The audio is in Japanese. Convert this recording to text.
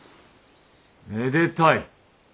めでたい。